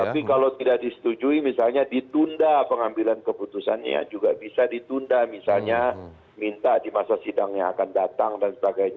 tapi kalau tidak disetujui misalnya ditunda pengambilan keputusannya juga bisa ditunda misalnya minta di masa sidangnya akan datang dan sebagainya